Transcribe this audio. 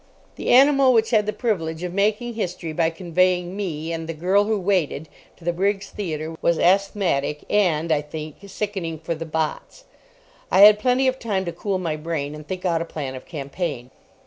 The animal which had the privilege of making history by conveying me and The Girl who Waited to the Briggs Theatre was asthmatic, and, I think, sickening for the botts. I had plenty of time to cool my brain and think out a plan of campaign.